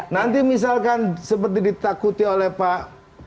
nanti misalkan seperti ditakuti oleh pak